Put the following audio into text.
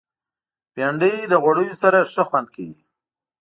بېنډۍ د غوړیو سره ښه خوند کوي